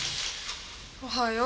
おはよう。